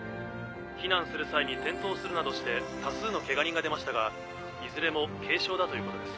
避難する際に転倒するなどして多数のケガ人が出ましたがいずれも軽傷だということです。